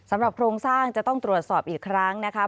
โครงสร้างจะต้องตรวจสอบอีกครั้งนะคะ